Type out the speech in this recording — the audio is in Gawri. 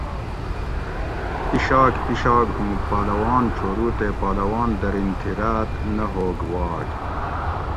پشاگ پشاگ ہوں پہلوان چھورو تے پہلوان درینتھی راۤت نہ ہوگ واگ